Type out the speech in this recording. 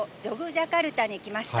ジャカルタに来ました。